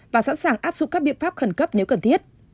và sẵn sàng áp dụng các biện pháp khẩn cấp nếu cần thiết